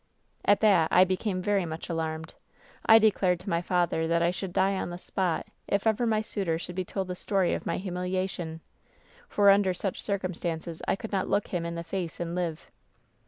"At that I became very much alarmed. I declared to my father that I should die on the spot if ever my suitor should be told the story of my humiliation; for WHEN SHADOWS DDE 888 tinder such circumstances I could not look him in the face and live.